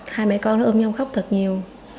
hai mẹ con nó ôm nhau khóc thật nhiều